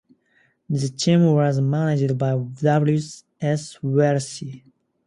The team was managed by W. S. Welch.